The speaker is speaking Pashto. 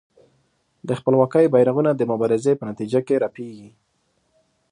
د خپلواکۍ بېرغونه د مبارزې په نتیجه کې رپېږي.